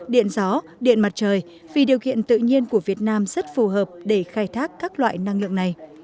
điện gió điện mặt trời vì điều kiện tự nhiên của việt nam rất phù hợp để khai thác các loại năng lượng này